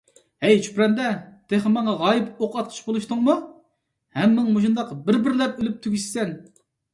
ھەي چۈپرەندە، تېخى ماڭا غايىب ئوق ئاتقۇچى بولۇشتۇڭمۇ، ھەممىڭ مۇشۇنداق بىر - بىرلەپ ئۆلۈپ تۈگىشىسەن!